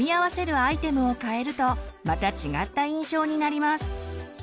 アイテムを変えるとまた違った印象になります。